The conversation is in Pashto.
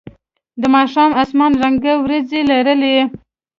د ماښام اسمان رنګه ورېځې لرلې.